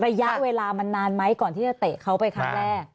ระยะเวลามันนานไหมก่อนที่จะเตะเขาไปครั้งแรก